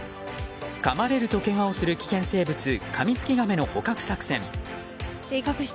かまれるとけがをする危険生物カミツキガメの捕獲作戦。